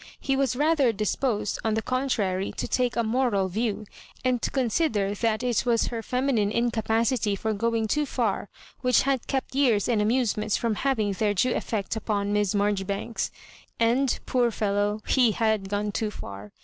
He was rather disposed, on the con trary, to take a moral view, and to consider that it was her feminine incapacity for going too far^ which had kept years and amusements from hay ing their due effect upon Miss Marjoribanks. And, poor fellow, he had gone too far.